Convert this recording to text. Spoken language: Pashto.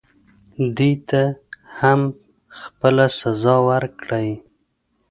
دې ته هم خپله سزا ورکړئ.